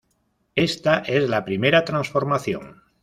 Esta es la primera transformación.